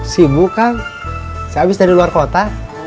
sibuk kan saya habis dari luar kota